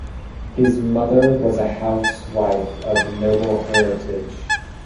His mother was a housewife of noble heritage.